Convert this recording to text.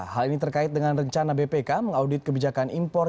hal ini terkait dengan rencana bpk mengaudit kebijakan impor